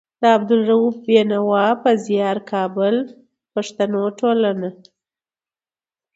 د عبدالروف بېنوا په زيار. کابل: پښتو ټولنه